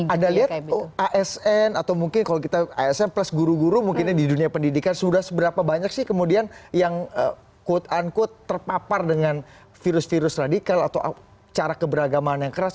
anda lihat asn atau mungkin kalau kita asn plus guru guru mungkinnya di dunia pendidikan sudah seberapa banyak sih kemudian yang quote unquote terpapar dengan virus virus radikal atau cara keberagaman yang keras